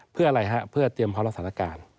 เพื่ออะไรฮะเพื่อเตรียมความละสถานการณ์